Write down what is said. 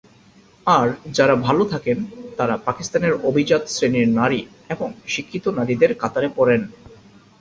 আর যারা ভালো থাকেন তারা পাকিস্তানের অভিজাত শ্রেণীর নারী এবং শিক্ষিত নারীদের কাতারে পড়েন।